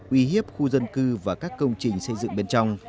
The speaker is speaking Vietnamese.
uy hiếp khu dân cư và các công trình xây dựng bên trong